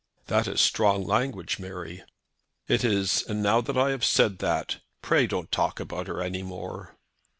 "That is strong language, Mary." "It is. And now that I have said that, pray don't talk about her any more."